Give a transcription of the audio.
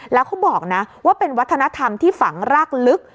แล้วเขาบอกนะว่าเป็นวัฒนธรรมที่ฝังรากลึก